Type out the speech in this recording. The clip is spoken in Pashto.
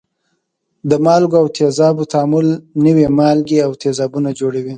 د مالګو او تیزابو تعامل نوي مالګې او تیزابونه جوړوي.